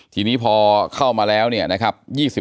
ทีนี้พอเข้ามาแล้วเนี่ยนะครับ